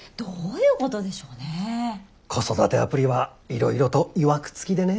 子育てアプリはいろいろといわくつきでね。